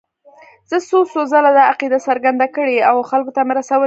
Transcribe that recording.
زه څو څو ځله دا عقیده څرګنده کړې او خلکو ته مې رسولې ده.